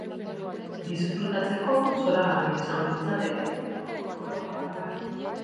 Disfrutatzeko, zoragarria izango litzateke.